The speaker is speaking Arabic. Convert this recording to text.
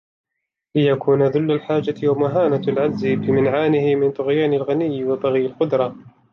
لِيَكُونَ ذُلُّ الْحَاجَةِ وَمُهَانَةُ الْعَجْزِ يَمْنَعَانِهِ مِنْ طُغْيَانِ الْغِنَى وَبَغْيِ الْقُدْرَةِ